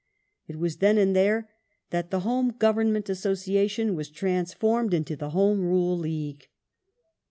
It was then and there that the "Home Government Association" was transformed into the " Home Rule League